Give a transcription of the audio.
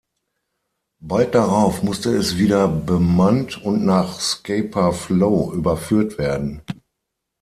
Bald darauf musste es wieder bemannt und nach Scapa Flow überführt werden.